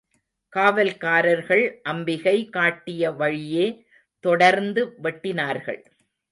காவல்காரர்கள் அம்பிகை காட்டிய வழியே தொடர்ந்து வெட்டினார்கள்.